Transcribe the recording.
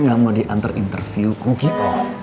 mau diantar interview ku gitu